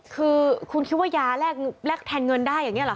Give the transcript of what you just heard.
คือคุณคิดว่ายาแลกแทนเงินได้อย่างนี้หรอ